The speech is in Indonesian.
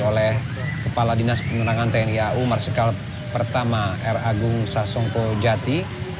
oleh kepala dinas penerangan tni au marsikal pertama r agung sasongko jati